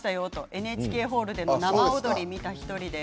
ＮＨＫホールでの生踊りを見た１人です。